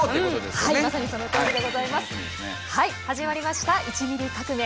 はい始まりました「１ミリ革命」。